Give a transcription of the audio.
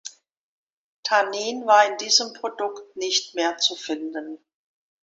Tannin war in diesem Produkt nicht mehr zu finden.